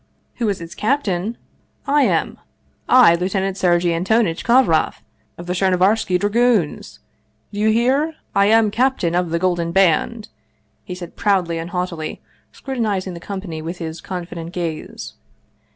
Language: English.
" Who is its captain ? I am I, Lieutenant Sergei An tonitch Kovroff, of the Chernovarski Dragoons! Do you hear? I am captain of the Golden Band," he said proudly and haughtily, scrutinizing the company with his confident gaze.